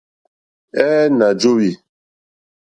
Ɛ̄ɛ̄, nà jóhwì.